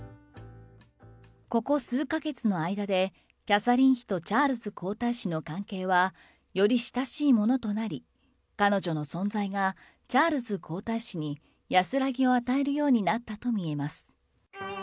ここ数か月の間で、キャサリン妃とチャールズ皇太子の関係は、より親しいものとなり、彼女の存在が、チャールズ皇太子に、安らぎを与えるようになったとみえます。